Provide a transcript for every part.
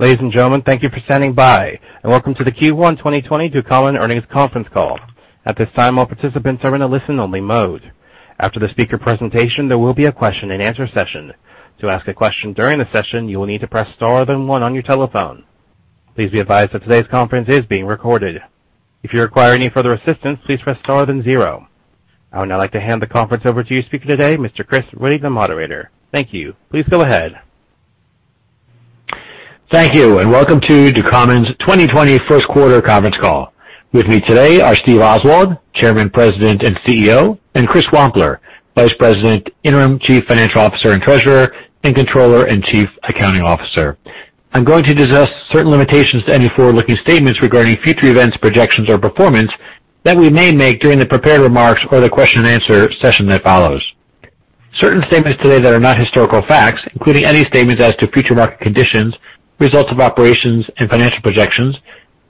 Ladies and gentlemen, thank you for standing by, and welcome to the Q1 2020 Ducommun earnings conference call. At this time, all participants are in a listen-only mode. After the speaker presentation, there will be a question-and-answer session. To ask a question during the session, you will need to press star then one on your telephone. Please be advised that today's conference is being recorded. If you require any further assistance, please press star then zero. I would now like to hand the conference over to your speaker today, Mr. Chris Reading, the Moderator. Thank you. Please go ahead. Thank you, and welcome to Ducommun's 2020 Q1 conference call. With me today are Steve Oswald, Chairman, President, and CEO, and Chris Wampler, Vice President, Interim Chief Financial Officer and Treasurer, and Controller and Chief Accounting Officer. I'm going to discuss certain limitations to any forward-looking statements regarding future events, projections, or performance that we may make during the prepared remarks or the question and answer session that follows. Certain statements today that are not historical facts, including any statements as to future market conditions, results of operations, and financial projections,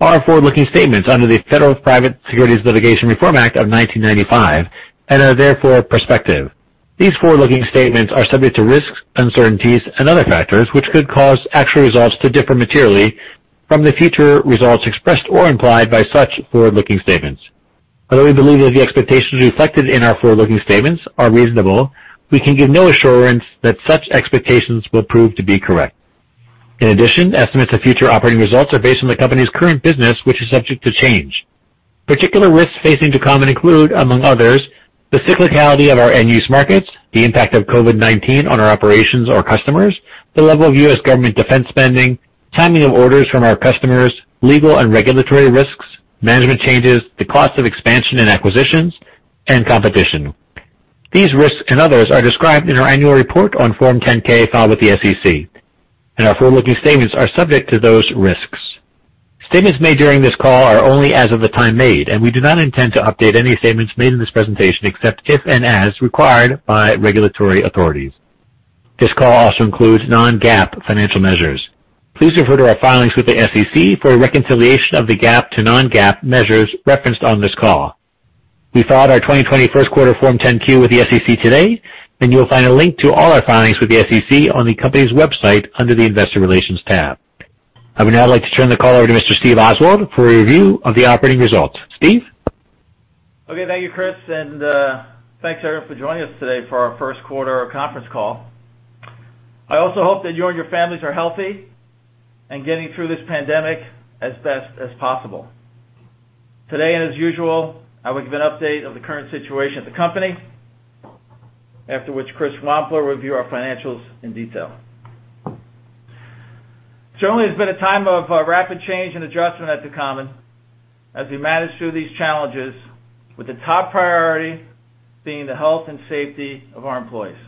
are forward-looking statements under the federal Private Securities Litigation Reform Act of 1995 and are therefore prospective. These forward-looking statements are subject to risks, uncertainties, and other factors, which could cause actual results to differ materially from the future results expressed or implied by such forward-looking statements. Although we believe that the expectations reflected in our forward-looking statements are reasonable, we can give no assurance that such expectations will prove to be correct. In addition, estimates of future operating results are based on the company's current business, which is subject to change. Particular risks facing Ducommun include, among others, the cyclicality of our end-use markets, the impact of COVID-19 on our operations or customers, the level of U.S. government defense spending, timing of orders from our customers, legal and regulatory risks, management changes, the cost of expansion and acquisitions, and competition. These risks and others are described in our annual report on Form 10-K filed with the SEC, and our forward-looking statements are subject to those risks. Statements made during this call are only as of the time made, and we do not intend to update any statements made in this presentation, except if and as required by regulatory authorities. This call also includes non-GAAP financial measures. Please refer to our filings with the SEC for a reconciliation of the GAAP to non-GAAP measures referenced on this call. We filed our 2020 Q1 Form 10-Q with the SEC today, and you'll find a link to all our filings with the SEC on the company's website under the investor relations tab. I would now like to turn the call over to Mr. Steve Oswald for a review of the operating results. Steve? Thank you, Chris, and thanks, everyone, for joining us today for our Q1 conference call. I also hope that you and your families are healthy and getting through this pandemic as best as possible. Today, as usual, I will give an update of the current situation at Ducommun, after which Chris Wampler will review our financials in detail. It's been a time of rapid change and adjustment at Ducommun as we manage through these challenges, with the top priority being the health and safety of our employees.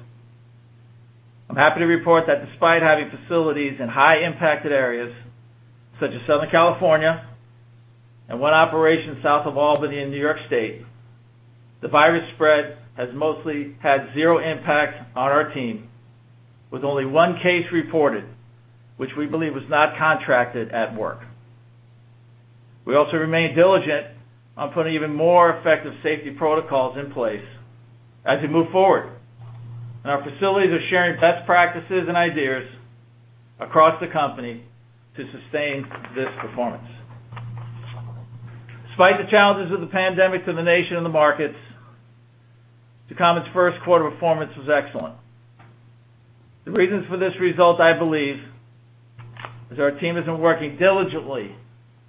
I'm happy to report that despite having facilities in high impacted areas, such as Southern California and one operation south of Albany in New York State, the virus spread has mostly had zero impact on our team, with only one case reported, which we believe was not contracted at work. We also remain diligent on putting even more effective safety protocols in place as we move forward, and our facilities are sharing best practices and ideas across the company to sustain this performance. Despite the challenges of the pandemic to the nation and the markets, Ducommun's Q1 performance was excellent. The reasons for this result, I believe, is our team has been working diligently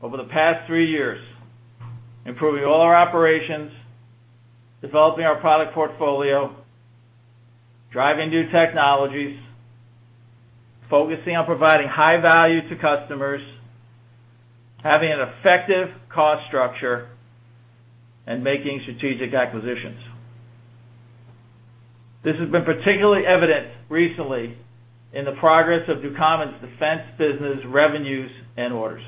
over the past three years, improving all our operations, developing our product portfolio, driving new technologies, focusing on providing high value to customers, having an effective cost structure, and making strategic acquisitions. This has been particularly evident recently in the progress of Ducommun's defense business revenues and orders.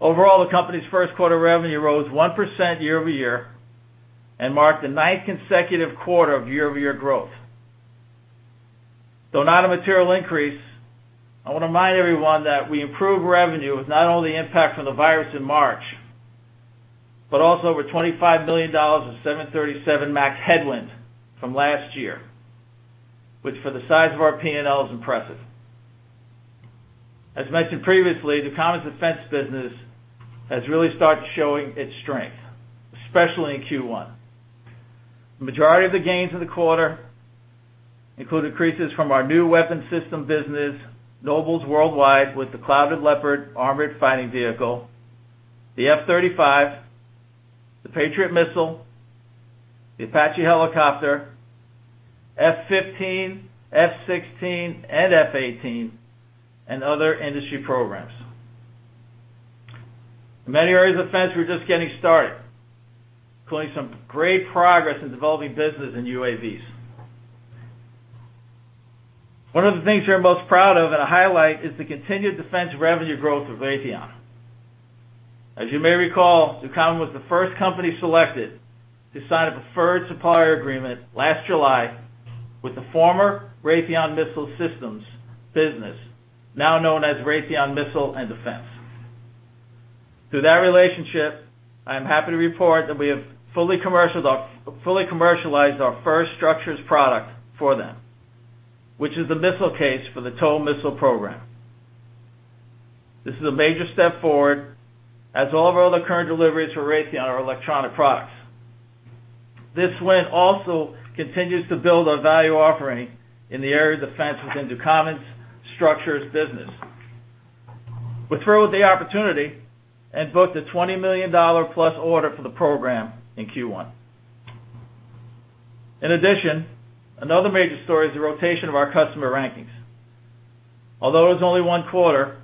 Overall, the company's Q1 revenue rose 1% year-over-year and marked the ninth consecutive quarter of year-over-year growth. Though not a material increase, I want to remind everyone that we improved revenue with not only impact from the virus in March, but also over $25 million of 737 MAX headwind from last year, which for the size of our P&L is impressive. As mentioned previously, Ducommun's defense business has really started showing its strength, especially in Q1. The majority of the gains in the quarter include increases from our new weapon system business, Nobles Worldwide with the Clouded Leopard armored fighting vehicle, the F-35, the Patriot missile, the Apache helicopter, F-15, F-16, and F-18, and other industry programs. In many areas of defense, we're just getting started, including some great progress in developing business in UAVs. One of the things we are most proud of and a highlight is the continued defense revenue growth of Raytheon. As you may recall, Ducommun was the first company selected to sign a preferred supplier agreement last July with the former Raytheon Missile Systems business, now known as Raytheon Missiles & Defense. Through that relationship, I am happy to report that we have fully commercialized our first structures product for them, which is the missile case for the TOW Missile program. This is a major step forward as all of our other current deliveries for Raytheon are electronic products. This win also continues to build our value offering in the area of defense within Ducommun's Structural Systems business. We threw out the opportunity and booked a $20 million plus order for the program in Q1. In addition, another major story is the rotation of our customer rankings. Although it's only one quarter,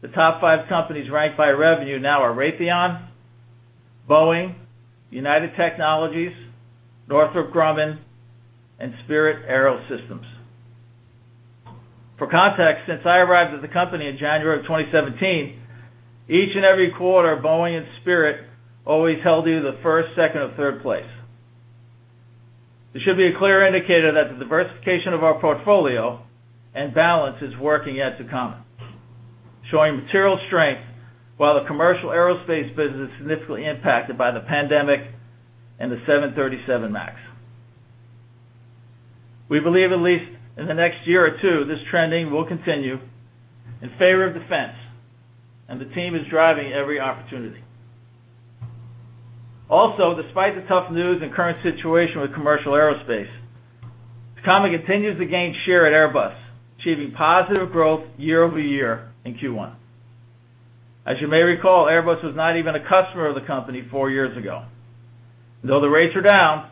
the top five companies ranked by revenue now are Raytheon, Boeing, United Technologies, Northrop Grumman, and Spirit AeroSystems. For context, since I arrived at the company in January of 2017, each and every quarter, Boeing and Spirit always held either the first, second, or third place. This should be a clear indicator that the diversification of our portfolio and balance is working at Ducommun, showing material strength while the commercial aerospace business is significantly impacted by the pandemic and the 737 MAX. We believe at least in the next year or two, this trending will continue in favor of defense, and the team is driving every opportunity. Also, despite the tough news and current situation with commercial aerospace, Ducommun continues to gain share at Airbus, achieving positive growth year-over-year in Q1. As you may recall, Airbus was not even a customer of the company four years ago. Though the rates are down,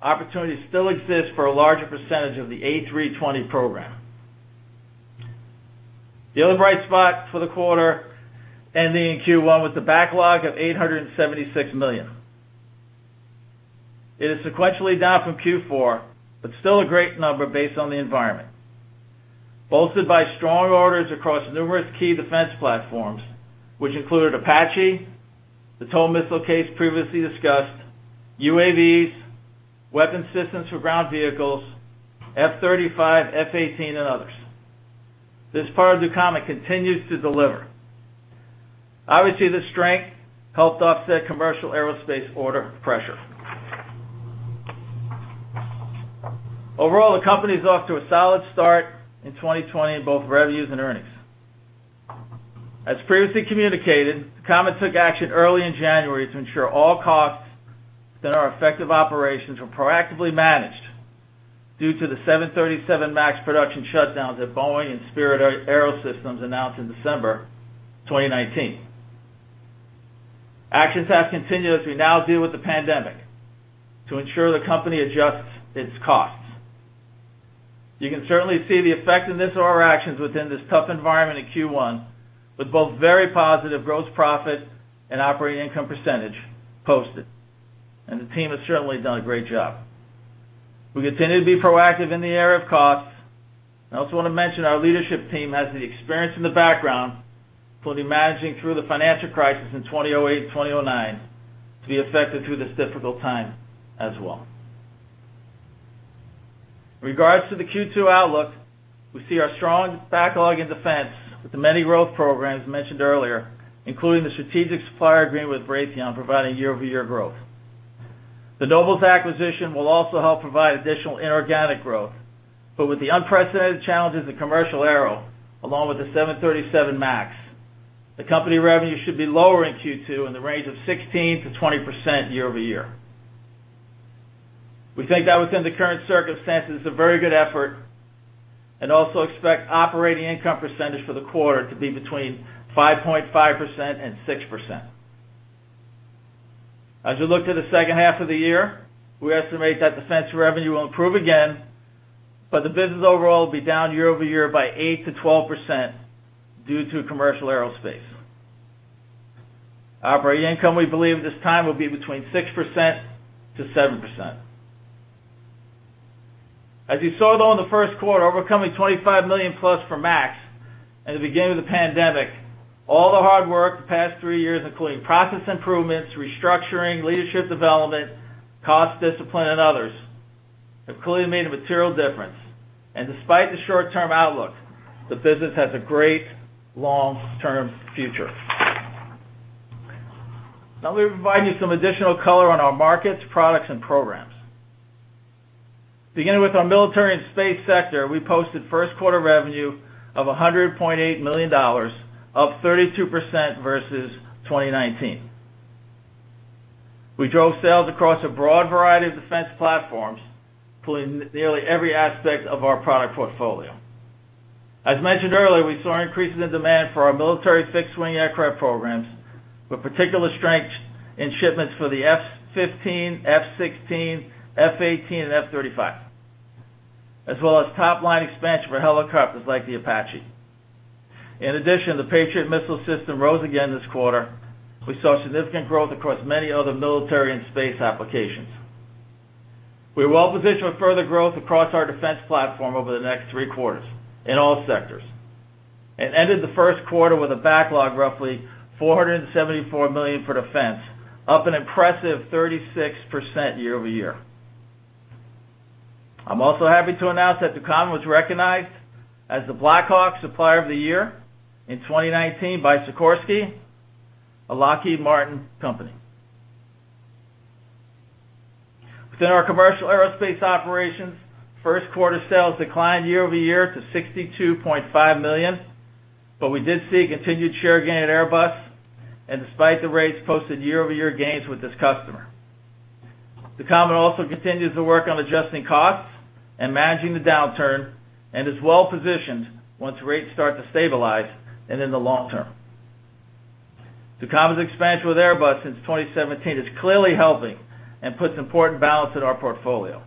opportunities still exist for a larger percentage of the A320 program. The other bright spot for the quarter ending in Q1 was the backlog of $876 million. It is sequentially down from Q4, but still a great number based on the environment, bolstered by strong orders across numerous key defense platforms, which included Apache, the TOW Missile case previously discussed, UAVs, weapon systems for ground vehicles, F-35, F-18, and others. This part of Ducommun continues to deliver. Obviously, the strength helped offset commercial aerospace order pressure. Overall, the company is off to a solid start in 2020 in both revenues and earnings. As previously communicated, Ducommun took action early in January to ensure all costs that are effective operations were proactively managed due to the 737 MAX production shutdowns that Boeing and Spirit AeroSystems announced in December 2019. Actions have continued as we now deal with the pandemic to ensure the company adjusts its costs. You can certainly see the effectiveness of our actions within this tough environment in Q1 with both very positive gross profit and operating income percentage posted, the team has certainly done a great job. We continue to be proactive in the area of costs, I also want to mention our leadership team has the experience and the background, including managing through the financial crisis in 2008 and 2009, to be effective through this difficult time as well. In regards to the Q2 outlook, we see our strong backlog in defense with the many growth programs mentioned earlier, including the strategic supplier agreement with Raytheon providing year-over-year growth. The Nobles acquisition will also help provide additional inorganic growth, with the unprecedented challenges of commercial aero, along with the 737 MAX, the company revenue should be lower in Q2 in the range of 16%-20% year-over-year. We think that within the current circumstances, a very good effort, also expect operating income percentage for the quarter to be between 5.5% and 6%. As we look to the H2 of the year, we estimate that defense revenue will improve again, but the business overall will be down year-over-year by 8%-12% due to commercial aerospace. Operating income, we believe at this time, will be between 6%-7%. As you saw, though, in the Q1, overcoming $25 million plus for MAX and the beginning of the pandemic, all the hard work the past three years, including process improvements, restructuring, leadership development, cost discipline, and others, have clearly made a material difference. Despite the short-term outlook, the business has a great long-term future. Now let me provide you some additional color on our markets, products, and programs. Beginning with our military and space sector, we posted Q1 revenue of $100.8 million, up 32% versus 2019. We drove sales across a broad variety of defense platforms, including nearly every aspect of our product portfolio. As mentioned earlier, we saw an increase in the demand for our military fixed-wing aircraft programs, with particular strength in shipments for the F-15, F-16, F-18, and F-35, as well as top-line expansion for helicopters like the Apache. In addition, the Patriot Missile system rose again this quarter. We saw significant growth across many other military and space applications. We are well positioned for further growth across our defense platform over the next three quarters in all sectors and ended the Q1 with a backlog roughly $474 million for defense, up an impressive 36% year-over-year. I'm also happy to announce that Ducommun was recognized as the Black Hawk Supplier of the Year in 2019 by Sikorsky, a Lockheed Martin company. Within our commercial aerospace operations, Q1 sales declined year-over-year to $62.5 million, but we did see continued share gain at Airbus, and despite the rates, posted year-over-year gains with this customer. Ducommun also continues to work on adjusting costs and managing the downturn, and is well-positioned once rates start to stabilize and in the long term. Ducommun's expansion with Airbus since 2017 is clearly helping and puts important balance in our portfolio.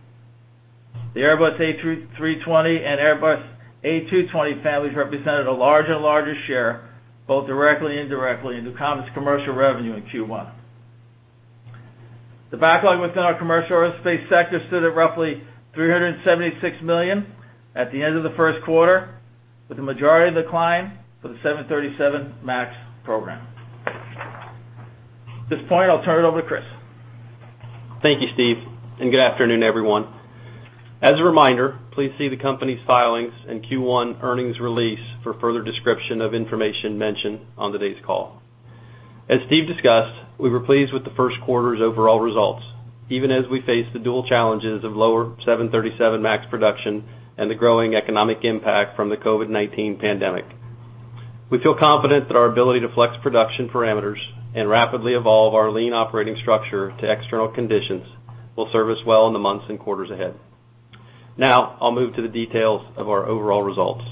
The Airbus A320 and Airbus A220 families represented a larger and larger share, both directly and indirectly, in Ducommun's commercial revenue in Q1. The backlog within our commercial aerospace sector stood at roughly $376 million at the end of the Q1, with the majority of decline for the 737 MAX program. At this point, I'll turn it over to Chris. Thank you, Steve. Good afternoon, everyone. As a reminder, please see the company's filings and Q1 earnings release for further description of information mentioned on today's call. As Steve discussed, we were pleased with the Q1's overall results, even as we face the dual challenges of lower 737 MAX production and the growing economic impact from the COVID-19 pandemic. We feel confident that our ability to flex production parameters and rapidly evolve our lean operating structure to external conditions will serve us well in the months and quarters ahead. I'll move to the details of our overall results.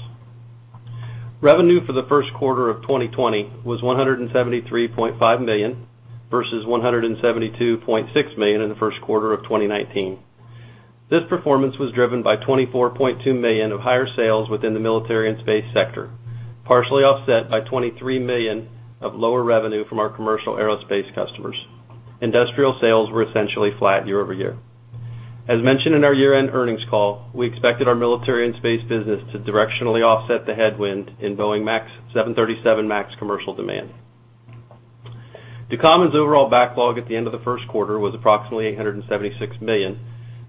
Revenue for the Q1 of 2020 was $173.5 million, versus $172.6 million in the Q1 of 2019. This performance was driven by $24.2 million of higher sales within the military and space sector, partially offset by $23 million of lower revenue from our commercial aerospace customers. Industrial sales were essentially flat year-over-year. As mentioned in our year-end earnings call, we expected our military and space business to directionally offset the headwind in Boeing 737 MAX commercial demand. Ducommun's overall backlog at the end of the Q1 was approximately $876 million,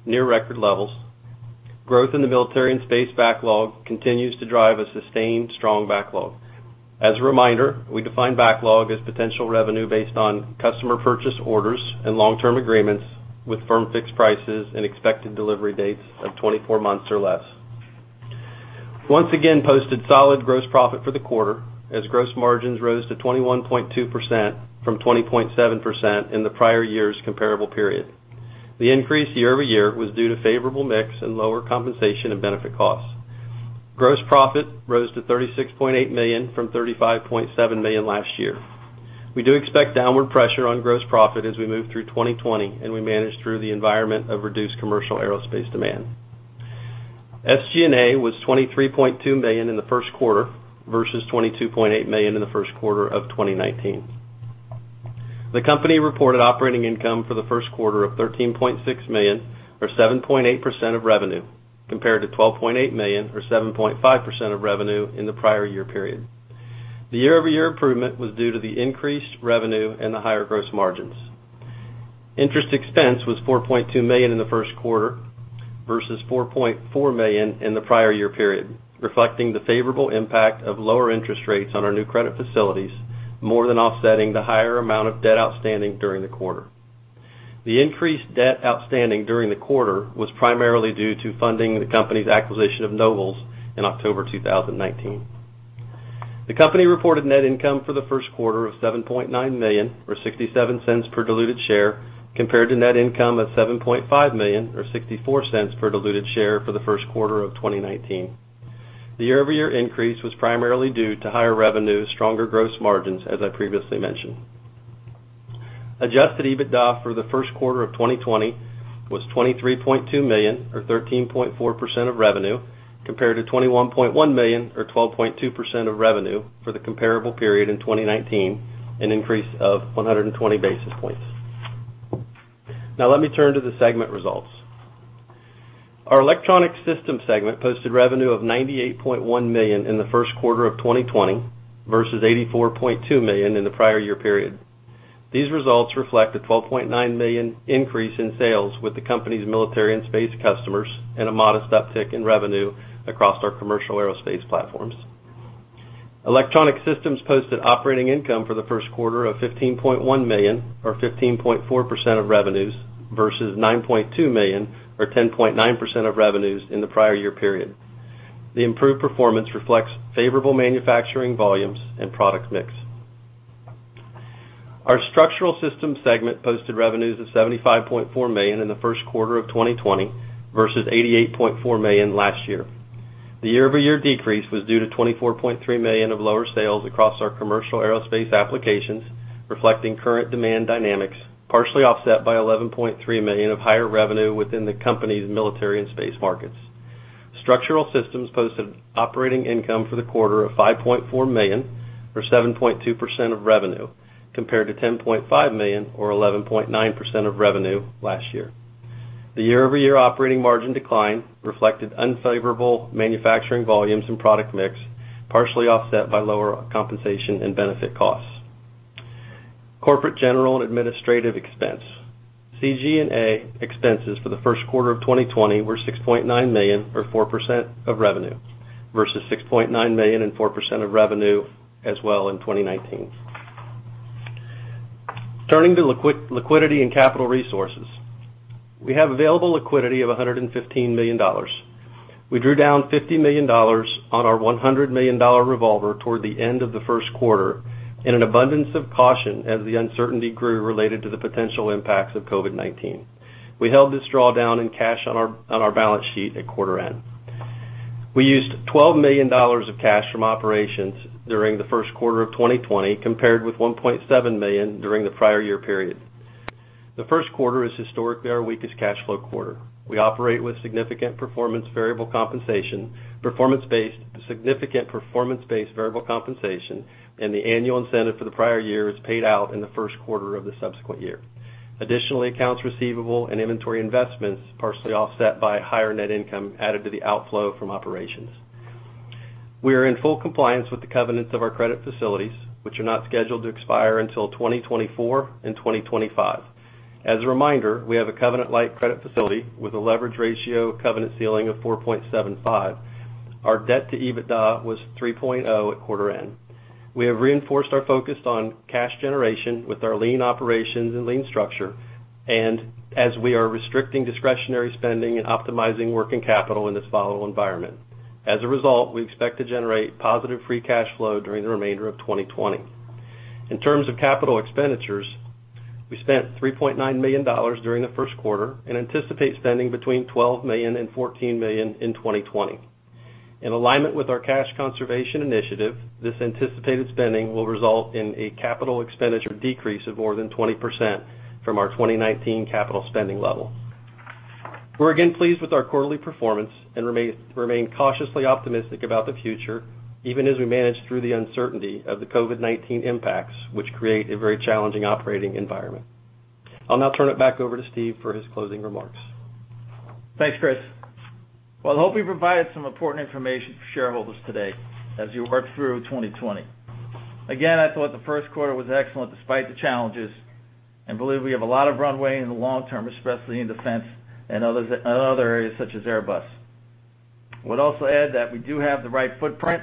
near record levels. Growth in the military and space backlog continues to drive a sustained strong backlog. As a reminder, we define backlog as potential revenue based on customer purchase orders and long-term agreements with firm fixed prices and expected delivery dates of 24 months or less. Once again posted solid gross profit for the quarter, as gross margins rose to 21.2% from 20.7% in the prior year's comparable period. The increase year-over-year was due to favorable mix and lower compensation and benefit costs. Gross profit rose to $36.8 million from $35.7 million last year. We do expect downward pressure on gross profit as we move through 2020 and we manage through the environment of reduced commercial aerospace demand. SG&A was $23.2 million in the Q1 versus $22.8 million in the Q1 of 2019. The company reported operating income for the Q1 of $13.6 million or 7.8% of revenue, compared to $12.8 million or 7.5% of revenue in the prior year period. The year-over-year improvement was due to the increased revenue and the higher gross margins. Interest expense was $4.2 million in the Q1 versus $4.4 million in the prior year period, reflecting the favorable impact of lower interest rates on our new credit facilities, more than offsetting the higher amount of debt outstanding during the quarter. The increased debt outstanding during the quarter was primarily due to funding the company's acquisition of Nobles in October 2019. The company reported net income for the Q1 of $7.9 million or $0.67 per diluted share, compared to net income of $7.5 million or $0.64 per diluted share for the Q1 of 2019. The year-over-year increase was primarily due to higher revenue, stronger gross margins, as I previously mentioned. Adjusted EBITDA for the Q1 of 2020 was $23.2 million or 13.4% of revenue, compared to $21.1 million or 12.2% of revenue for the comparable period in 2019, an increase of 120-basis points. Let me turn to the segment results. Our Electronic Systems -segment posted revenue of $98.1 million in the Q1 of 2020 versus $84.2 million in the prior year period. These results reflect a $12.9 million increase in sales with the company's military and space customers and a modest uptick in revenue across our commercial aerospace platforms. Electronic Systems posted operating income for the Q1 of $15.1 million or 15.4% of revenues versus $9.2 million or 10.9% of revenues in the prior year period. The improved performance reflects favorable manufacturing volumes and product mix. Our Structural Systems segment posted revenues of $75.4 million in the Q1 of 2020 versus $88.4 million last year. The year-over-year decrease was due to $24.3 million of lower sales across our commercial aerospace applications, reflecting current demand dynamics, partially offset by $11.3 million of higher revenue within the company's military and space markets. Structural Systems posted operating income for the quarter of $5.4 million or 7.2% of revenue, compared to $10.5 million or 11.9% of revenue last year. The year-over-year operating margin decline reflected unfavorable manufacturing volumes and product mix, partially offset by lower compensation and benefit costs. Corporate general and administrative expense. CG&A expenses for the Q1 of 2020 were $6.9 million or 4% of revenue versus $6.9 million and 4% of revenue as well in 2019. Turning to liquidity and capital resources. We have available liquidity of $115 million. We drew down $50 million on our $100 million revolver toward the end of the Q1 in an abundance of caution as the uncertainty grew related to the potential impacts of COVID-19. We held this drawdown in cash on our balance sheet at quarter end. We used $12 million of cash from operations during the Q1 of 2020 compared with $1.7 million during the prior year period. The Q1 is historically our weakest cash flow quarter. We operate with significant performance-based variable compensation, and the annual incentive for the prior year is paid out in the Q1 of the subsequent year. Additionally, accounts receivable and inventory investments partially offset by higher net income added to the outflow from operations. We are in full compliance with the covenants of our credit facilities, which are not scheduled to expire until 2024 and 2025. As a reminder, we have a covenant light credit facility with a leverage ratio covenant ceiling of 4.75. Our debt to EBITDA was 3.0 at quarter end. We have reinforced our focus on cash generation with our lean operations and lean structure, and as we are restricting discretionary spending and optimizing working capital in this volatile environment. As a result, we expect to generate positive free cash flow during the remainder of 2020. In terms of capital expenditures, we spent $3.9 million during the Q1 and anticipate spending between $12 million and $14 million in 2020. In alignment with our cash conservation initiative, this anticipated spending will result in a capital expenditure decrease of more than 20% from our 2019 capital spending level. We're again pleased with our quarterly performance and remain cautiously optimistic about the future, even as we manage through the uncertainty of the COVID-19 impacts, which create a very challenging operating environment. I'll now turn it back over to Steve for his closing remarks. Thanks, Chris. Well, I hope we provided some important information for shareholders today as we work through 2020. I thought the Q1 was excellent despite the challenges, and believe we have a lot of runway in the long term, especially in defense and other areas such as Airbus. I would also add that we do have the right footprint,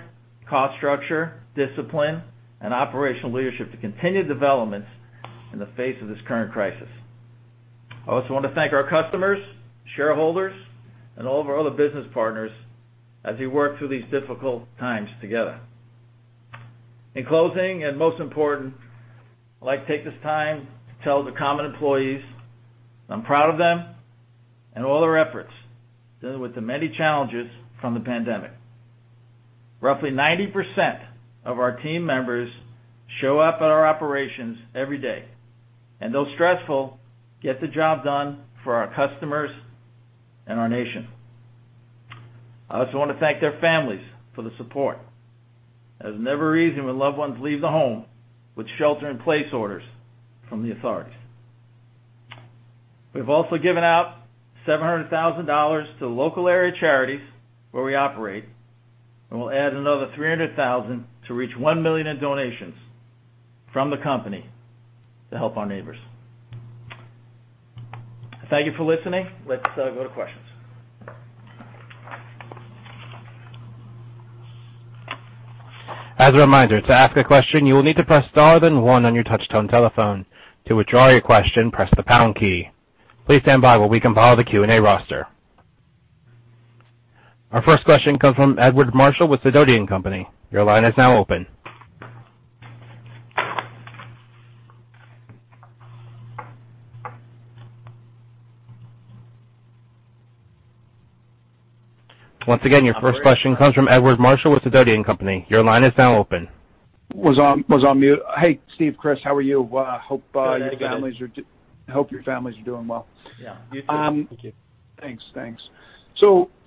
cost structure, discipline, and operational leadership to continue development in the face of this current crisis. I also want to thank our customers, shareholders, and all of our other business partners as we work through these difficult times together. In closing, and most important, I'd like to take this time to tell the Ducommun employees that I'm proud of them and all their efforts dealing with the many challenges from the pandemic. Roughly 90% of our team members show up at our operations every day, though stressful, get the job done for our customers and our nation. I also want to thank their families for the support. It is never easy when loved ones leave the home with shelter in place orders from the authorities. We've also given out $700,000 to local area charities where we operate. We'll add another $300,000 to reach $1 million in donations from the company to help our neighbors. Thank you for listening. Let's go to questions. As a reminder, to ask a question, you will need to press star then one on your touchtone telephone. To withdraw your question, press the pound key. Please stand by while we compile the Q&A roster. Our first question comes from Edward Marshall with Sidoti & Company. Your line is now open. Once again, your first question comes from Edward Marshall with Sidoti & Company. Your line is now open. Was on mute. Hey, Steve, Chris, how are you? Good. How are you, Ed? I hope your families are doing well. Yeah. You too. Thanks.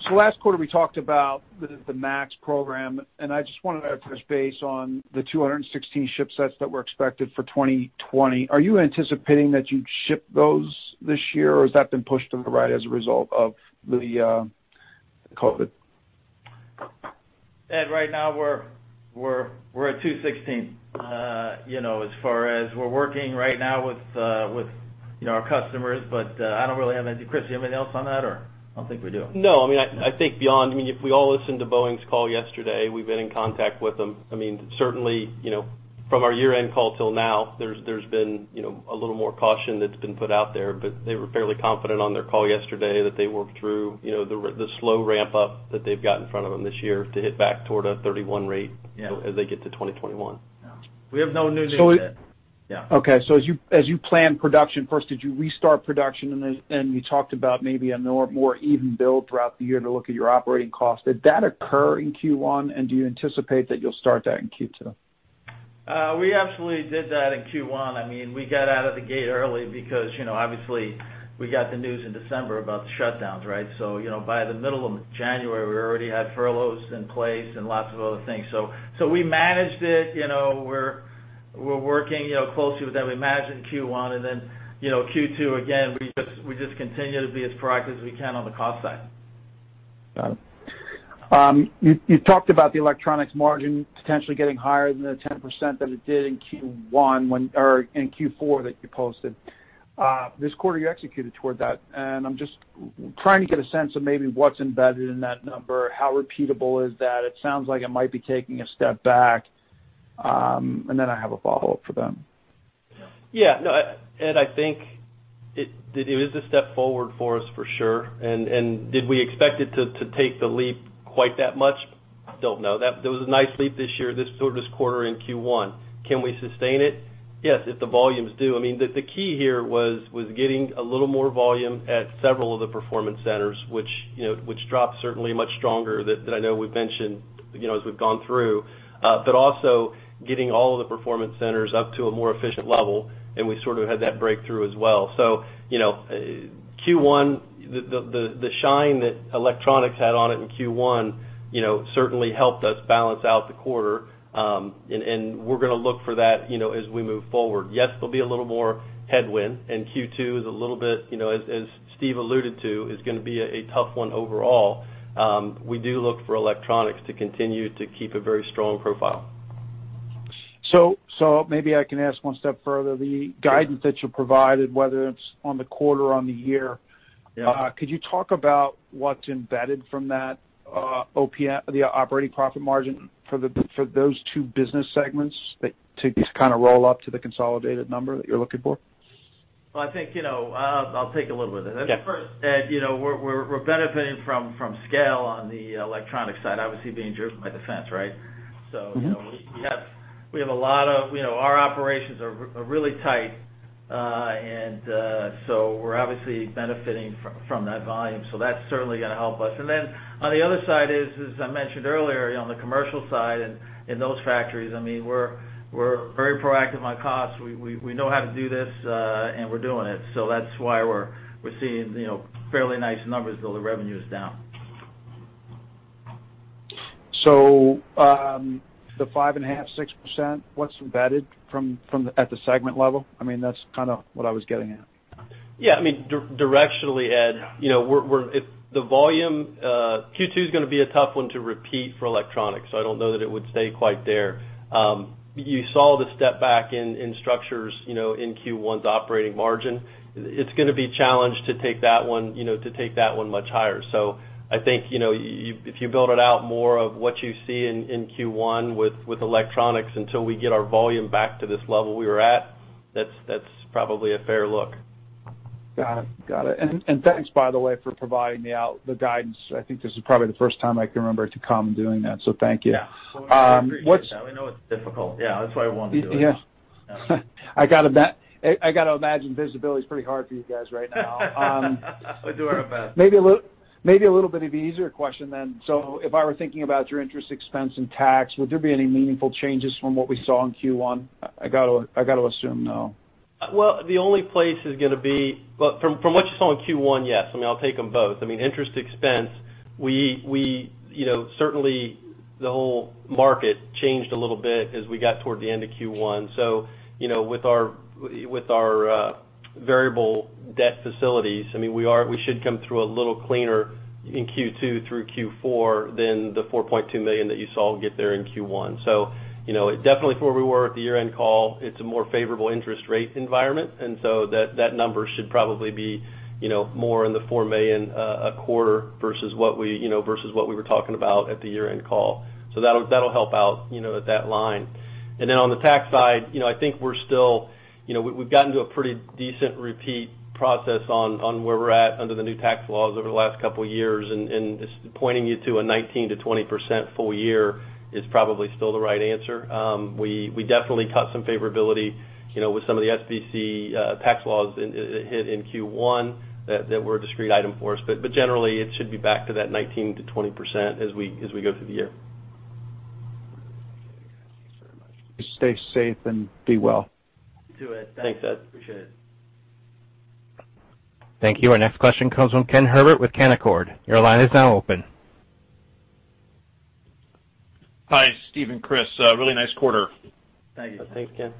Last quarter, we talked about the MAX program, and I just wanted to touch base on the 216 shipsets that were expected for 2020. Are you anticipating that you'd ship those this year, or has that been pushed to the right as a result of the COVID? Ed, right now, we're at 216. As far as we're working right now with our customers, but I don't really have any. Chris, you have anything else on that or? I don't think we do. No. I think beyond, if we all listened to Boeing's call yesterday, we've been in contact with them. Certainly, from our year-end call till now, there's been a little more caution that's been put out there, but they were fairly confident on their call yesterday that they worked through the slow ramp-up that they've got in front of them this year to hit back toward a 31 rate as they get to 2021. Yeah. We have no new news yet. Okay. As you plan production, first did you restart production and you talked about maybe a more even build throughout the year to look at your operating costs. Did that occur in Q1 and do you anticipate that you'll start that in Q2? We actually did that in Q1. We got out of the gate early because obviously we got the news in December about the shutdowns, right? By the middle of January, we already had furloughs in place and lots of other things. We managed it. We're working closely with them. We managed in Q1, Q2, again, we just continue to be as proactive as we can on the cost side. Got it. You talked about the electronics margin potentially getting higher than the 10% that it did in Q4 that you posted. This quarter, you executed toward that. I'm just trying to get a sense of maybe what's embedded in that number. How repeatable is that? It sounds like it might be taking a step back. Then I have a follow-up for them. Yeah, no, Ed, I think it is a step forward for us, for sure. Did we expect it to take the leap quite that much? Don't know. That was a nice leap this year, this quarter in Q1. Can we sustain it? Yes, if the volumes do. The key here was getting a little more volume at several of the performance centers, which dropped certainly much stronger than I know we've mentioned as we've gone through. Also getting all of the performance centers up to a more efficient level, and we sort of had that breakthrough as well. Q1, the shine that Electronic Systems had on it in Q1 certainly helped us balance out the quarter. We're going to look for that as we move forward. Yes, there'll be a little more headwind. Q2 is a little bit, as Steve alluded to, is going to be a tough one overall. We do look for electronics to continue to keep a very strong profile. Maybe I can ask one step further. The guidance that you provided, whether it's on the quarter or on the year, could you talk about what's embedded from that OPM, the operating profit margin, for those two business segments that take this kind of roll-up to the consolidated number that you're looking for? Well, I think, I'll take a little bit of it. First, Ed, we're benefiting from scale on the electronic side, obviously being driven by defense, right? Our operations are really tight. We're obviously benefiting from that volume. That's certainly going to help us. On the other side is, as I mentioned earlier, on the commercial side and in those factories, we're very proactive on costs. We know how to do this, and we're doing it. That's why we're seeing fairly nice numbers, though the revenue's down. The 5.5%, 6%, what's embedded at the segment level? That's kind of what I was getting at. Yeah. Directionally, Ed, the volume, Q2 is going to be a tough one to repeat for electronics. I don't know that it would stay quite there. You saw the step back in structures in Q1's operating margin. It's going to be a challenge to take that one much higher. I think, if you build it out more of what you see in Q1 with electronics until we get our volume back to this level we were at, that's probably a fair look. Got it. Thanks by the way for providing me out the guidance. I think this is probably the first time I can remember Ducommun doing that, thank you. Yeah. Well, we appreciate that. We know it's difficult. Yeah, that's why I wanted to do it. Yeah. I got to imagine visibility's pretty hard for you guys right now. We do our best. Maybe a little bit of an easier question then. If I were thinking about your interest expense and tax, would there be any meaningful changes from what we saw in Q1? I got to assume no. Well, from what you saw in Q1, yes. I'll take them both. Interest expense, certainly the whole market changed a little bit as we got toward the end of Q1. With our variable debt facilities, we should come through a little cleaner in Q2 through Q4 than the $4.2 million that you saw get there in Q1. Definitely from where we were at the year-end call, it's a more favorable interest rate environment, and so that number should probably be more in the $4 million a quarter versus what we were talking about at the year-end call. That'll help out at that line. On the tax side, I think we've gotten to a pretty decent repeat process on where we're at under the new tax laws over the last couple of years, and just pointing you to a 19%-20% full year is probably still the right answer. We definitely caught some favorability with some of the SBC tax laws hit in Q1 that were a discrete item for us. Generally, it should be back to that 19%-20% as we go through the year. Okay. Thank you so much. Stay safe and be well. You too, Ed. Thanks. Thanks, Ed. Appreciate it. Thank you. Our next question comes from Ken Herbert with Canaccord. Your line is now open. Hi, Steve and Chris. A really nice quarter. Thank you. Thanks, Ken.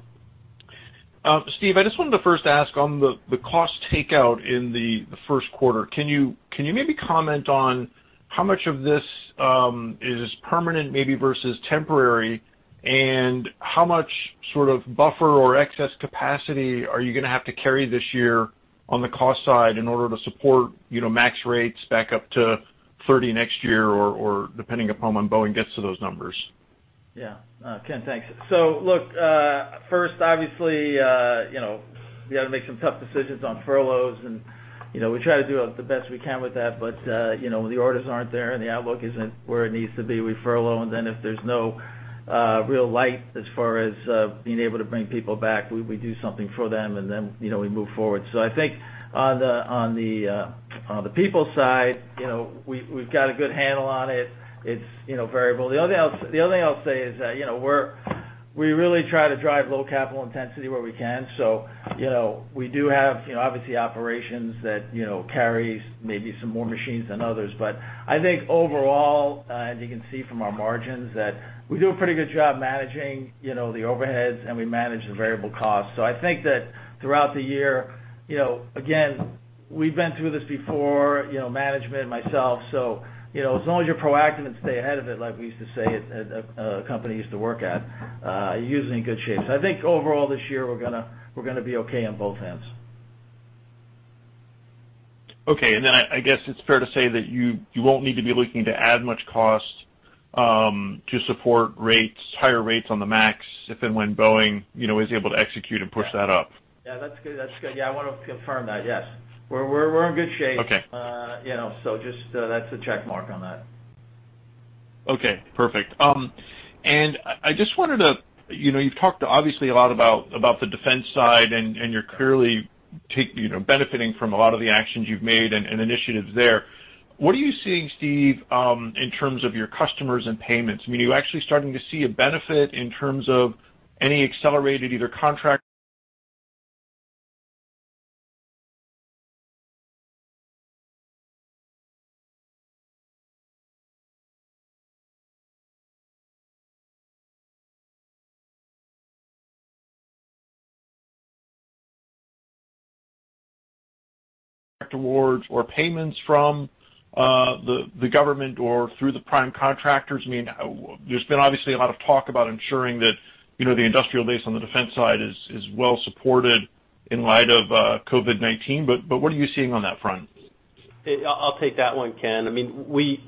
Steve, I just wanted to first ask on the cost takeout in the Q1. Can you maybe comment on how much of this is permanent, maybe versus temporary? How much sort of buffer or excess capacity are you going to have to carry this year on the cost side in order to support max rates back up to 30 next year, or depending upon when Boeing gets to those numbers? Yeah. Ken, thanks. Look, first obviously, we had to make some tough decisions on furloughs, and we try to do the best we can with that, but the orders aren't there and the outlook isn't where it needs to be. We furlough, and then if there's no real light as far as being able to bring people back, we do something for them and then we move forward. I think on the people side, we've got a good handle on it. It's variable. The other thing I'll say is that, we really try to drive low capital intensity where we can. We do have obviously operations that carry maybe some more machines than others. I think overall, as you can see from our margins, that we do a pretty good job managing the overheads and we manage the variable costs. I think that throughout the year, again we've been through this before, management, myself. As long as you're proactive and stay ahead of it, like we used to say at a company I used to work at, you're usually in good shape. I think overall this year, we're going to be okay on both ends. Okay. I guess it's fair to say that you won't need to be looking to add much cost to support higher rates on the MAX, if and when Boeing is able to execute and push that up. Yeah, that's good. I want to confirm that, yes. We're in good shape. That's a check mark on that. Okay, perfect. You've talked, obviously, a lot about the defense side, and you're clearly benefiting from a lot of the actions you've made and initiatives there. What are you seeing, Steve, in terms of your customers and payments? I mean, are you actually starting to see a benefit in terms of any accelerated, either contract awards or payments from the government or through the prime contractors? I mean, there's been obviously a lot of talk about ensuring that the industrial base on the defense side is well-supported in light of COVID-19. What are you seeing on that front? I'll take that one, Ken.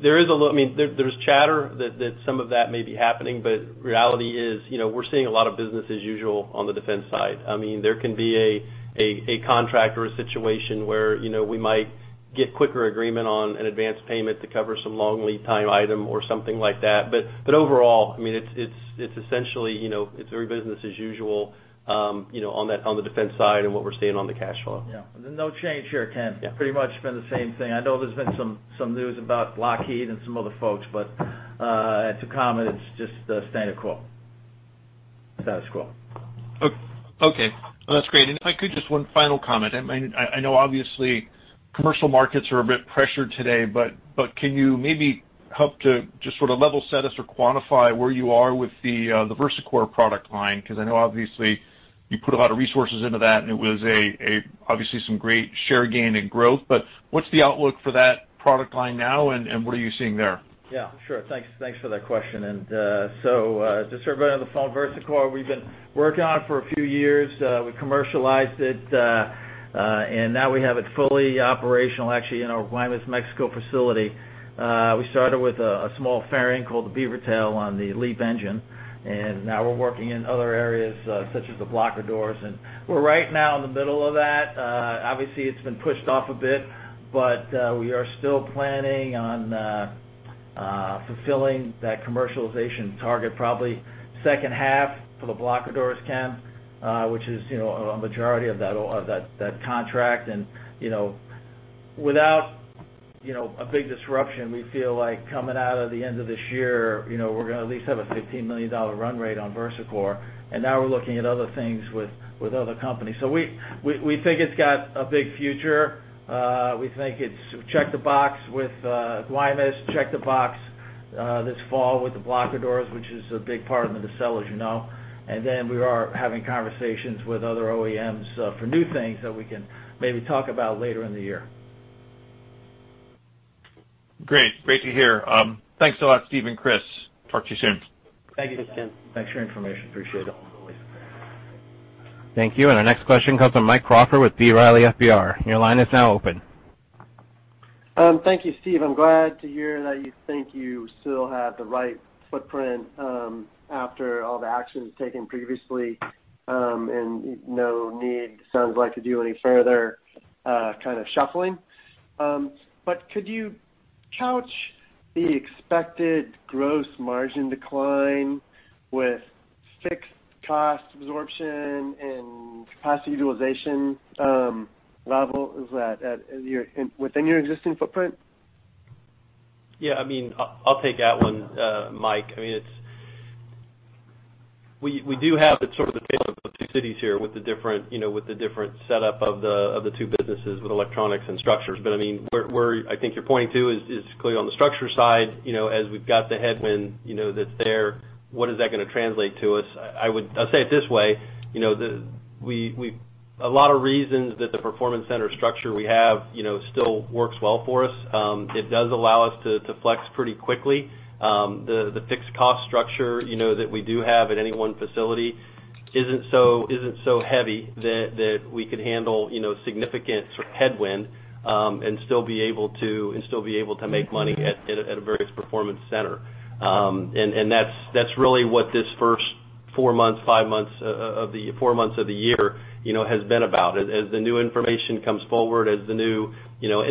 There's chatter that some of that may be happening, but reality is, we're seeing a lot of business as usual on the defense side. There can be a contract or a situation where we might get quicker agreement on an advance payment to cover some long lead time item or something like that. Overall, it's essentially business as usual on the defense side and what we're seeing on the cash flow. Yeah. No change here, Ken. Pretty much been the same thing. I know there's been some news about Lockheed and some other folks, but at Ducommun, it's just the status quo. Okay. Well, that's great. If I could, just one final comment. I know obviously commercial markets are a bit pressured today, but can you maybe help to just sort of level set us or quantify where you are with the VersaCore product line? Because I know obviously you put a lot of resources into that, and it was obviously some great share gain and growth, but what's the outlook for that product line now, and what are you seeing there? Yeah, sure. Thanks for that question. Just for everybody on the phone, VersaCore, we've been working on it for a few years. We commercialized it, and now we have it fully operational, actually, in our Guaymas, Mexico facility. We started with a small fairing called the beaver tail on the LEAP engine, and now we're working in other areas, such as the blocker doors. We're right now in the middle of that. Obviously, it's been pushed off a bit, but we are still planning on fulfilling that commercialization target probably H2 for the blocker doors, Ken, which is a majority of that contract. Without a big disruption, we feel like coming out of the end of this year, we're going to at least have a $15 million run rate on VersaCore. Now we're looking at other things with other companies. We think it's got a big future. We think it's check the box with Guaymas, check the box this fall with the blocker doors, which is a big part of the sell, as you know. Then we are having conversations with other OEMs for new things that we can maybe talk about later in the year. Great to hear. Thanks a lot, Steve and Chris. Talk to you soon. Thank you, Ken. Thanks for your information. Appreciate it. Thank you. Our next question comes from Mike Crawford with B. Riley FBR. Your line is now open. Thank you, Steve. I'm glad to hear that you think you still have the right footprint after all the actions taken previously, and no need, sounds like, to do any further kind of shuffling. Could you couch the expected gross margin decline with fixed cost absorption and capacity utilization level within your existing footprint? Yeah, I'll take that one, Mike. We do have sort of the tale of two cities here with the different setup of the two businesses with Electronic Systems and Structural Systems. Where I think you're pointing to is clearly on the structure side, as we've got the headwind, that's there, what is that going to translate to us? I'll say it this way. A lot of reasons that the performance center structure we have still works well for us. It does allow us to flex pretty quickly. The fixed cost structure that we do have at any one facility isn't so heavy that we could handle significant headwind and still be able to make money at a various performance center. That's really what this first four months of the year has been about. As the new information comes forward, and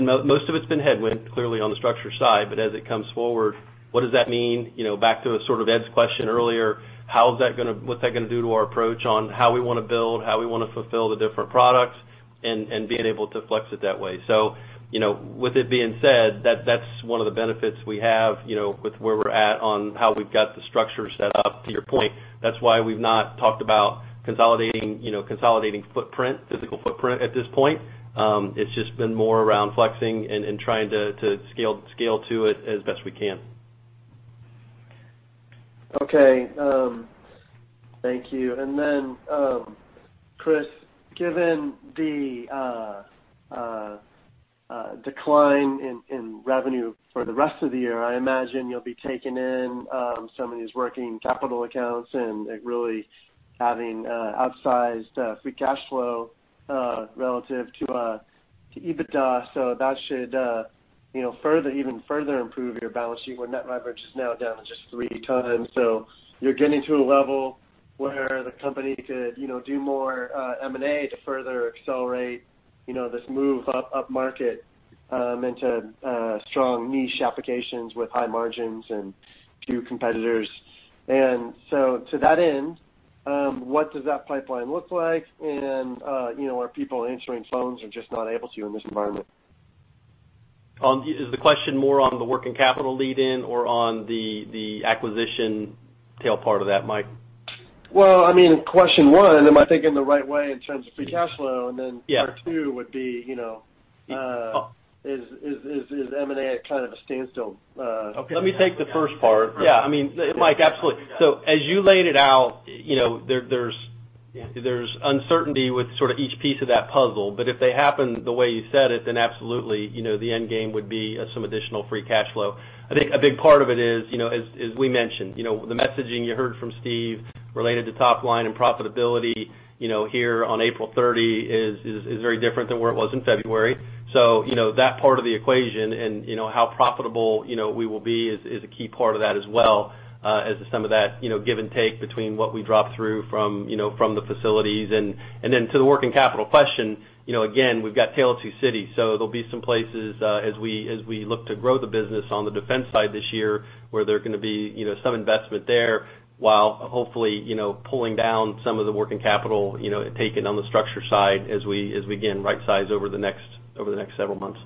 most of it's been headwind, clearly, on the structure side. As it comes forward, what does that mean? Back to sort of Ed's question earlier, what's that going to do to our approach on how we want to build, how we want to fulfill the different products and being able to flex it that way. With it being said, that's one of the benefits we have with where we're at on how we've got the structure set up, to your point. That's why we've not talked about consolidating physical footprint at this point. It's just been more around flexing and trying to scale to it as best we can. Okay. Thank you. Chris, given the decline in revenue for the rest of the year, I imagine you'll be taking in some of these working capital accounts and really having outsized free cash flow relative to EBITDA. That should even further improve your balance sheet, where net leverage is now down to just three times. You're getting to a level where the company could do more M&A to further accelerate this move up market into strong niche applications with high margins and few competitors. To that end, what does that pipeline look like? Are people answering phones or just not able to in this environment? Is the question more on the working capital lead in or on the acquisition tail part of that, Mike? Well, question one, am I thinking the right way in terms of free cash flow? Part two would be, is M&A at kind of a standstill? Okay. Let me take the first part. Yeah, Mike, absolutely. As you laid it out, there's uncertainty with sort of each piece of that puzzle. If they happen the way you said it, then absolutely, the end game would be some additional free cash flow. I think a big part of it is, as we mentioned, the messaging you heard from Steve related to top line and profitability here on April 30 is very different than where it was in February. That part of the equation and how profitable we will be is a key part of that as well, as is some of that give and take between what we drop through from the facilities. To the working capital question, again, we've got tail of two cities, so there'll be some places, as we look to grow the business on the defense side this year, where there's going to be some investment there, while hopefully pulling down some of the working capital taken on the structure side as we, again, right size over the next several months.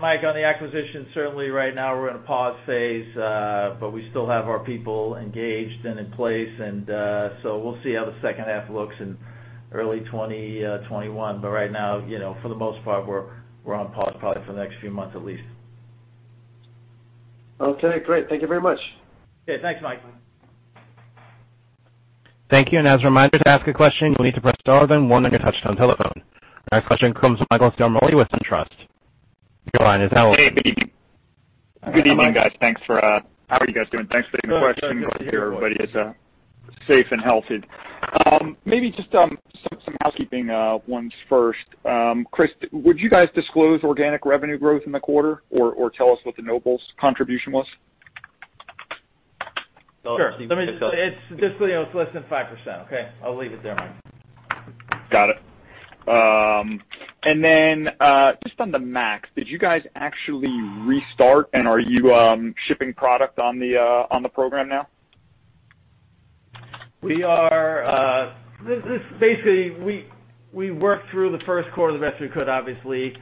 Mike, on the acquisition, certainly right now we're in a pause phase. We still have our people engaged and in place. We'll see how the H2 looks in early 2021. Right now, for the most part, we're on pause probably for the next few months at least. Okay, great. Thank you very much. Okay. Thanks, Mike. Thank you. As a reminder, to ask a question, you'll need to press star then one on your touchtone telephone. Our next question comes from Michael Ciarmoli with SunTrust. Your line is open. Hey, good evening. Good evening, guys. How are you guys doing? Thanks for taking the question. Good. Hope everybody is safe and healthy. Maybe just some housekeeping ones first. Chris, would you guys disclose organic revenue growth in the quarter or tell us what the Nobles contribution was? Sure. Just so you know, it's less than 5%, okay? I'll leave it there, Mike. Got it. Just on the MAX, did you guys actually restart, and are you shipping product on the program now? Basically, we worked through the Q1 the best we could, obviously.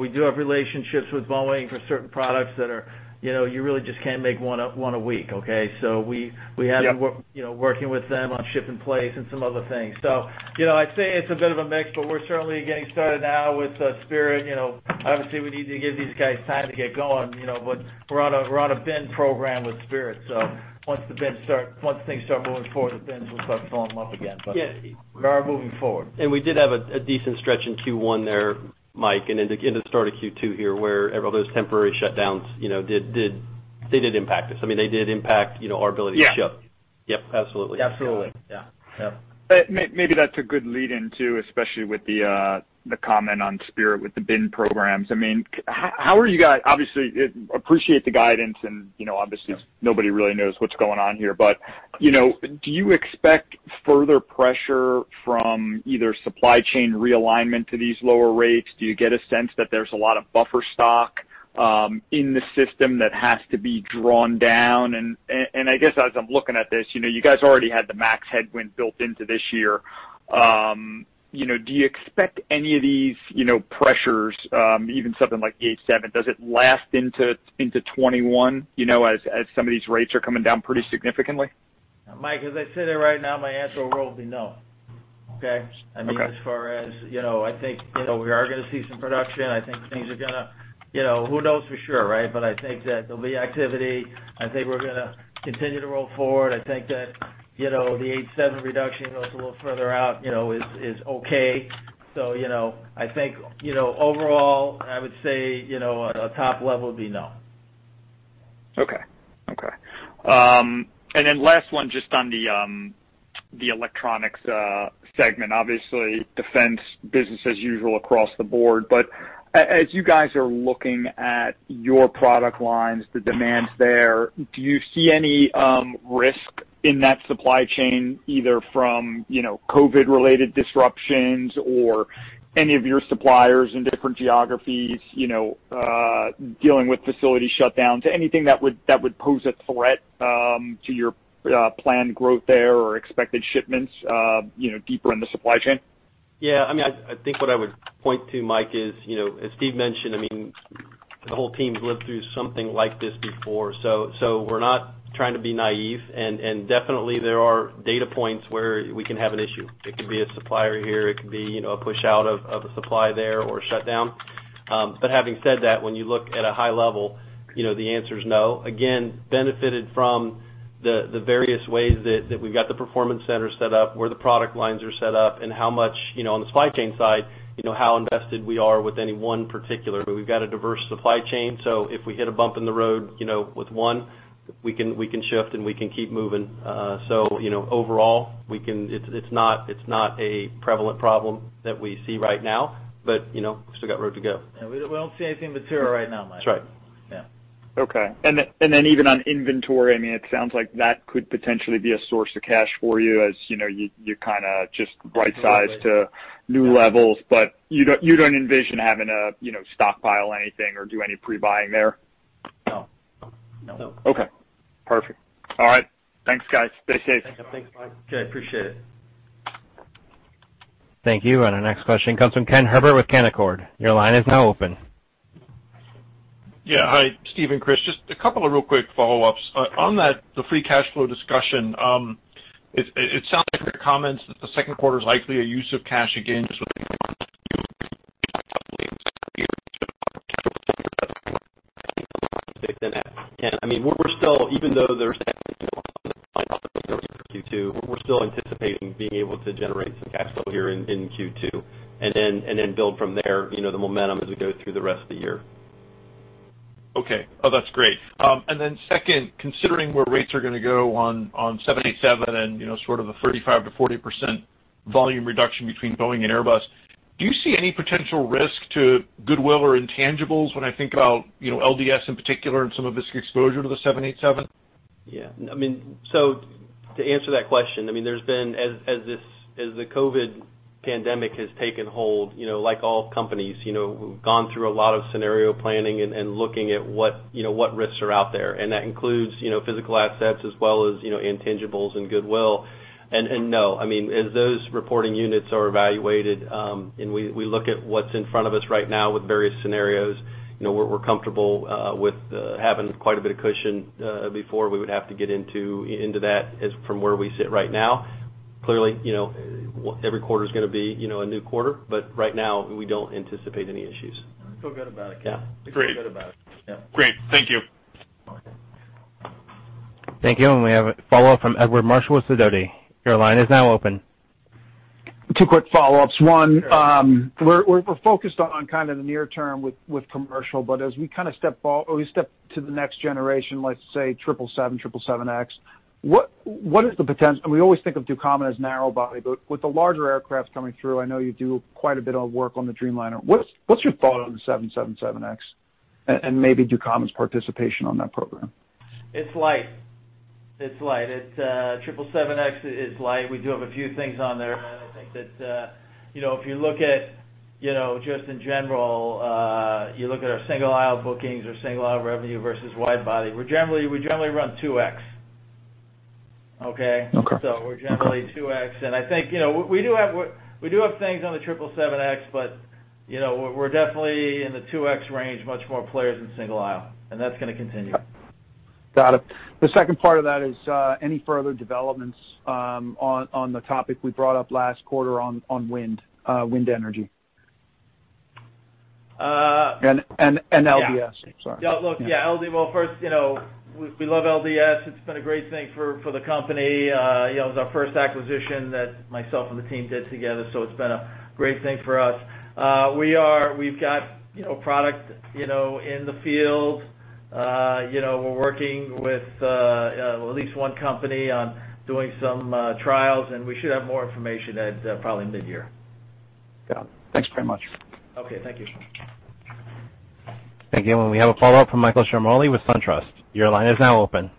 We do have relationships with Boeing for certain products that you really just can't make one a week, okay? We have been working with them on ship in place and some other things. I'd say it's a bit of a mix, but we're certainly getting started now with Spirit. Obviously, we need to give these guys time to get going. We're on a bin program with Spirit, so once things start moving forward, the bins will start filling up again. Yeah, we are moving forward. We did have a decent stretch in Q1 there, Mike, and into the start of Q2 here, where all those temporary shutdowns did impact us. I mean, they did impact our ability to ship. Yep, absolutely. Absolutely. Yeah. Maybe that's a good lead into, especially with the comment on Spirit with the bin programs. Obviously, appreciate the guidance and obviously nobody really knows what's going on here. Do you expect further pressure from either supply chain realignment to these lower rates? Do you get a sense that there's a lot of buffer stock in the system that has to be drawn down? I guess as I'm looking at this, you guys already had the Max headwind built into this year. Do you expect any of these pressures, even something like the A7, does it last into 2021, as some of these rates are coming down pretty significantly? Mike, as I sit here right now, my answer overall would be no. Okay? As far as I think we are going to see some production. Who knows for sure, right? I think that there'll be activity. I think we're going to continue to roll forward. I think that the A220 reduction goes a little further out is okay. I think overall, I would say at a top level, it'd be no. Okay. Last one, just on the Electronic Systems segment. Obviously, defense business as usual across the board. As you guys are looking at your product lines, the demands there, do you see any risk in that supply chain, either from COVID-related disruptions or any of your suppliers in different geographies dealing with facility shutdowns, anything that would pose a threat to your planned growth there or expected shipments deeper in the supply chain? Yeah. I think what I would point to, Mike, is as Steve mentioned, the whole team's lived through something like this before. We're not trying to be naïve, and definitely there are data points where we can have an issue. It could be a supplier here, it could be a push out of a supply there or a shutdown. Having said that, when you look at a high level, the answer is no. Again, benefited from the various ways that we've got the performance center set up, where the product lines are set up, and how much, on the supply chain side, how invested we are with any one particular. We've got a diverse supply chain, so if we hit a bump in the road with one, we can shift, and we can keep moving. Overall, it's not a prevalent problem that we see right now, but we still got road to go. Yeah, we don't see anything material right now, Mike. That's right. Yeah. Okay. Even on inventory, it sounds like that could potentially be a source of cash for you as you just right-size to new levels. You don't envision having to stockpile anything or do any pre-buying there? No. No. Okay. Perfect. All right. Thanks, guys. Stay safe. Thanks, Mike. Okay. Appreciate it. Thank you. Our next question comes from Ken Herbert with Canaccord. Your line is now open. Yeah. Hi, Steve and Chris. Just a couple of real quick follow-ups. On the free cash flow discussion, it sounds like from your comments that the Q2's likely a use of cash again, we're still anticipating being able to generate some cash flow here in Q2 and then build from there, the momentum as we go through the rest of the year. Okay. Oh, that's great. Second, considering where rates are going to go on 787 and sort of a 35%-40% volume reduction between Boeing and Airbus, do you see any potential risk to goodwill or intangibles when I think about LDS in particular and some of this exposure to the 787? Yeah. To answer that question, as the COVID pandemic has taken hold, like all companies, we've gone through a lot of scenario planning and looking at what risks are out there. That includes physical assets as well as intangibles and goodwill. No, as those reporting units are evaluated, and we look at what's in front of us right now with various scenarios, we're comfortable with having quite a bit of cushion before we would have to get into that from where we sit right now. Clearly, every quarter's going to be a new quarter. Right now, we don't anticipate any issues. I feel good about it, Ken. I feel good about it. Yeah. Great. Thank you. Thank you. We have a follow-up from Edward Marshall with Sidoti. Your line is now open. Two quick follow-ups. One, we're focused on kind of the near term with commercial, but as we step to the next generation, let's say 777, 777X, and we always think of Ducommun as narrow body, but with the larger aircraft coming through, I know you do quite a bit of work on the Dreamliner, what's your thought on the 777X and maybe Ducommun's participation on that program? It's light. 777X is light. We do have a few things on there. I think that if you look at just in general, you look at our single aisle bookings or single aisle revenue versus wide body, we generally run 2x. Okay? We're generally 2x, and I think we do have things on the 777X, but we're definitely in the 2x range, much more players in single aisle, and that's going to continue. Got it. The second part of that is, any further developments on the topic we brought up last quarter on wind energy and LDS? Sorry. Yeah. Look, yeah, well, first, we love LDS. It's been a great thing for the company. It was our first acquisition that the team and I did together, so it's been a great thing for us. We've got product in the field. We're working with at least one company on doing some trials, and we should have more information at probably mid-year. Got it. Thanks very much. Okay. Thank you. Thank you. We have a follow-up from Michael Ciarmoli with SunTrust. Your line is now open.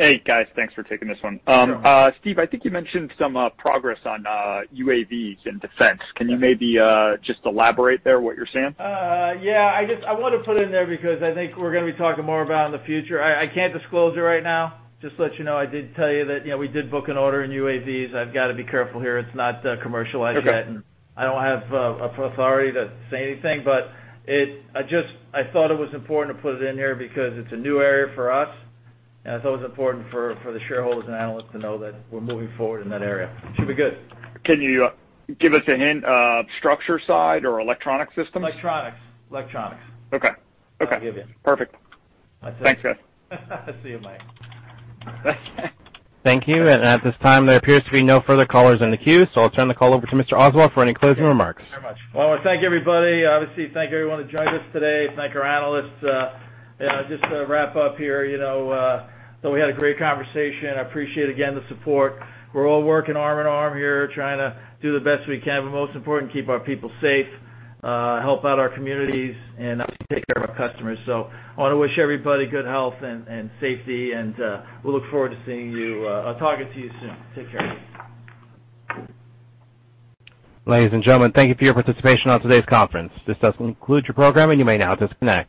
Hey, guys. Thanks for taking this one. Sure. Steve, I think you mentioned some progress on UAVs in defense. Can you maybe just elaborate there what you're seeing? Yeah. I want to put in there because I think we're going to be talking more about in the future. I can't disclose it right now. Just to let you know, I did tell you that we did book an order in UAVs. I've got to be careful here. It's not commercialized yet. I don't have authority to say anything. I thought it was important to put it in here because it's a new area for us, and it's always important for the shareholders and analysts to know that we're moving forward in that area. Should be good. Can you give us a hint, structure side or Electronic Systems? Electronics. Okay. That's all I can give you. Perfect. That's it. Thanks, guys. See you, Mike. Thank you. At this time, there appears to be no further callers in the queue, so I'll turn the call over to Mr. Oswald for any closing remarks. Thank you very much. I want to thank everybody. Obviously, thank everyone that joined us today. Thank our analysts. Just to wrap up here, thought we had a great conversation. I appreciate, again, the support. We're all working arm in arm here, trying to do the best we can, but most important, keep our people safe, help out our communities, and obviously take care of our customers. I want to wish everybody good health and safety, and we'll look forward to seeing you, or talking to you soon. Take care. Ladies and gentlemen, thank you for your participation on today's conference. This does conclude your program, and you may now disconnect.